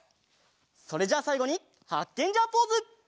それじゃあさいごにハッケンジャーポーズ！